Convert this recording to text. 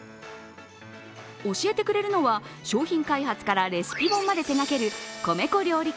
教えてくれるのは、商品開発からレシピ本まで手がける米粉料理